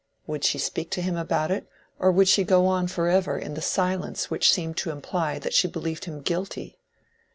Would she speak to him about it, or would she go on forever in the silence which seemed to imply that she believed him guilty?